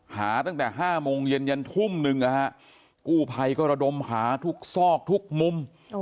หาตั้งแต่๕โมงเย็นยันทุ่มหนึ่งนะฮะกู้ภัยก็ระดมหาทุกซอกทุกมุม